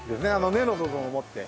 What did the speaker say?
根の部分を持って。